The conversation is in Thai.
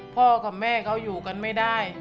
พ่อกับแม่เขาอยู่กันไม่ได้